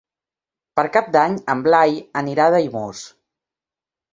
Per Cap d'Any en Blai anirà a Daimús.